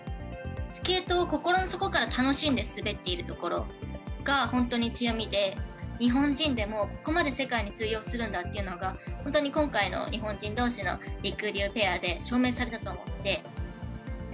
スケートを心の底から楽しんで滑っているところが、本当に強みで、日本人でもここまで世界に通用するんだっていうのが、本当に今回の日本人どうしのりくりゅうペアで証明されたと思って。